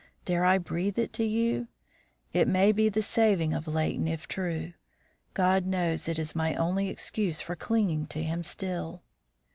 Dare I breathe it to you? It may be the saving of Leighton, if true; God knows it is my only excuse for clinging to him still."